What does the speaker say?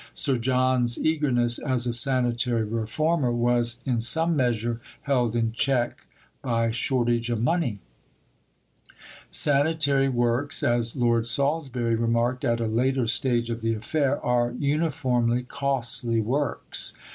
Sir John's eagerness as a sanitary reformer was in some measure held in check by shortage of money. "Sanitary works," as Lord Salisbury remarked at a later stage of the affair, "are uniformly costly works."